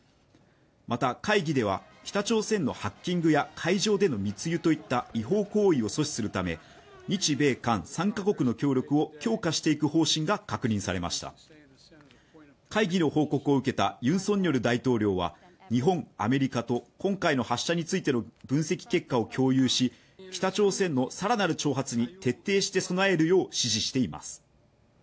また会議では北朝鮮のハッキングや海上での密輸といった違法行為を阻止するため日米韓３か国の協力を強化していく方針が確認されました会議の報告を受けたユン・ソンニョル大統領は日本、アメリカと今回の発射についての分析結果を共有し北朝鮮のさらなる挑発に徹底して備えるよう指示しています